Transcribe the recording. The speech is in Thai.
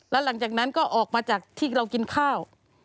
แล้วหลังจากนั้นก็ออกมาจากที่เรากินข้าว